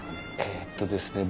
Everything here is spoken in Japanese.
えっとですね